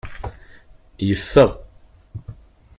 Yeffeɣ.